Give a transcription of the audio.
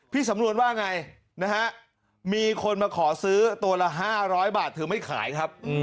สำนวนว่าไงนะฮะมีคนมาขอซื้อตัวละ๕๐๐บาทเธอไม่ขายครับ